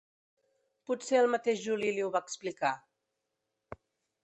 Potser el mateix Juli li ho va explicar.